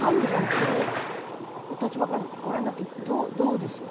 これお立場からご覧になってどうですか？